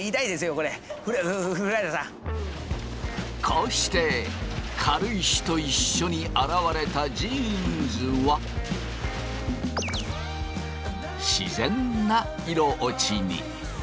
こうして軽石と一緒に洗われたジーンズは自然な色落ちに。